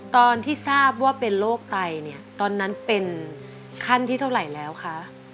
ตอนที่ทราบว่าเป็นโรคไตเนี่ยตอนนั้นเป็นขั้นที่เท่าไหร่แล้วคะ